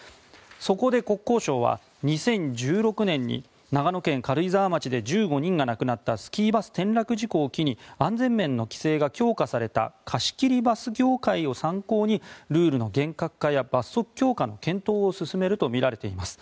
そこで国交省は２０１６年に長野県軽井沢町で１５人が亡くなったスキーバス転落事故を機に安全面の規制が強化された貸し切りバス業界を参考にルールの厳格化や罰則強化の検討を進めるとみられています。